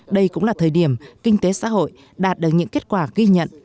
đây cũng là thời điểm kinh tế xã hội đạt được những kết quả ghi nhận